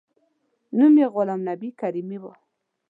نوم یې غلام نبي کریمي و.